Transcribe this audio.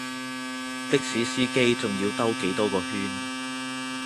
的士司機仲要兜幾多個圈